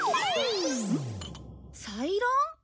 サイラン？